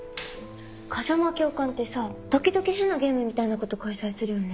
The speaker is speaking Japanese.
風間教官ってさ時々変なゲームみたいなこと開催するよね。